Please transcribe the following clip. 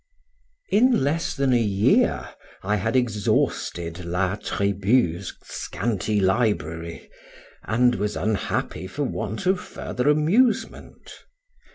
In less than a year I had exhausted La Tribu's scanty library, and was unhappy for want of further amusement.